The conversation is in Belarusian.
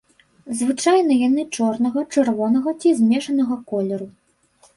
Звычайна яны чорнага, чырвонага ці змешанага колеру.